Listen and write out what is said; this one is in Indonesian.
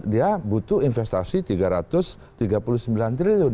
dia butuh investasi rp tiga ratus tiga puluh sembilan triliun